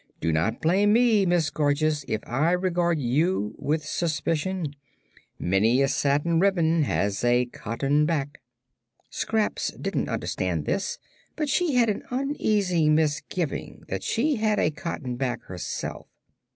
"Do not blame me, Miss Gorgeous, if I regard you with suspicion. Many a satin ribbon has a cotton back." Scraps didn't understand this, but she had an uneasy misgiving that she had a cotton back herself.